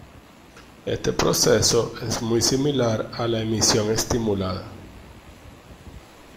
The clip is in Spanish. Este proceso es muy similar a la emisión estimulada.